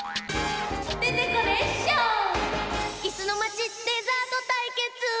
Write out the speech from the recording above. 「いすのまちデザートたいけつ」！